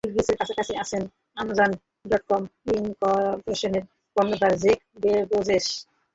বিল গেটসের কাছাকাছি আছেন আমাজন ডট কম ইনকরপোরেশনের কর্ণধার জেফ বেজোস।